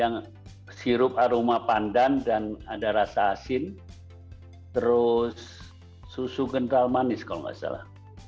nangka kelapa muda sama avokad sirup aroma pandan dan ada rasa asin terus susu gental manis kalau nggak salah